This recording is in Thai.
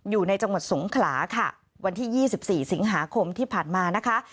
อยู่ในจังหวัดสงขลาค่ะวันที่๒๔สิงหาคมที่ผ่านมานะคะ